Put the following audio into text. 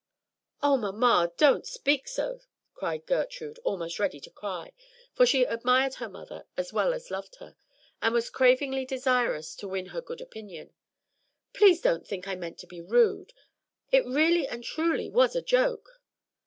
"Oh, mamma, don't speak so!" cried Gertrude, almost ready to cry; for she admired her mother as well as loved her, and was cravingly desirous to win her good opinion. "Please don't think I meant to be rude. It really and truly was a joke."